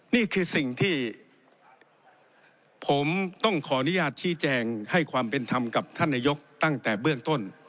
นี่คือสิ่งที่ผมต้องขออนุญาตชี้แจงให้ความเป็นธรรมกับท่านนายกตั้งแต่เบื้องต้น